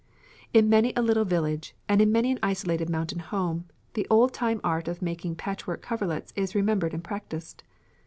"In many a little village, and in many an isolated mountain home, the old time art of making patchwork coverlets is remembered and practised.